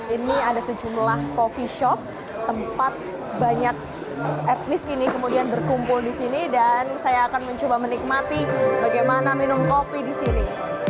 ini ada sejumlah coffee shop tempat banyak etnis ini kemudian berkumpul di sini dan saya akan mencoba menikmati bagaimana minum kopi di sini